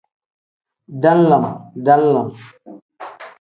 Dalam-dalam.